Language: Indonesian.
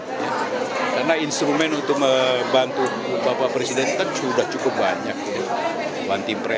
karena instrumen untuk membantu bapak presiden itu sudah cukup banyak